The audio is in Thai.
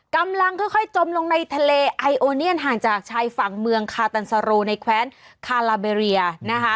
กำลังค่อยจมลงในทะเลไอโอเนียนห่างจากชายฝั่งเมืองคาตันซาโรในแคว้นคาลาเบเรียนะคะ